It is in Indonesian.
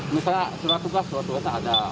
misalnya surat tugas surat tugas tidak ada